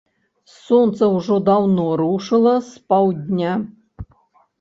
Сонца ўжо даўно рушыла з паўдня.